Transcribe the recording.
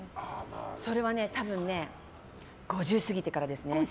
それは多分ね５０過ぎてからですね。